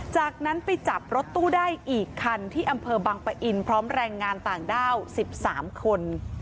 จากนั้นไปจับรถตู้ได้อีกคันที่อำเภอบังปะอินพร้อมแรงงานต่างด้าว๑๓คน